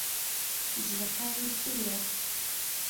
جلەکانی سوورە.